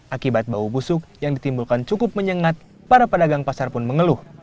akibat bau busuk yang ditimbulkan cukup menyengat para pedagang pasar pun mengeluh